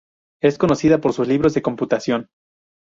Es conocida por sus libros de computación.